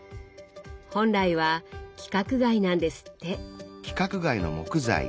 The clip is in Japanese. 本来は規格外なんですって。